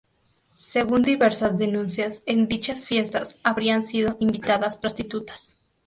Según diversas denuncias, en dichas fiestas habrían sido invitadas prostitutas.